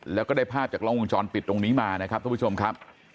แล้วก็ได้ภาพจากล้องวงจรปิดตรงนี้มานะครับทุกผู้ชมครับ